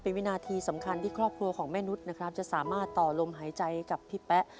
เป็นวินาทีสำคัญที่ครอบครัวของแม่นุษย์นะครับจะสามารถต่อลมหายใจกับพี่แป๊ะ